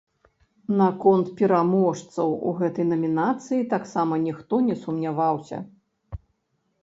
Наконт пераможцаў у гэтай намінацыі таксама ніхто не сумняваўся.